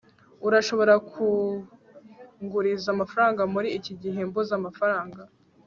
urashobora kunguriza amafaranga muri iki gihe mbuze amafaranga